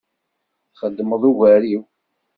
Txedmeḍ ugar-iw.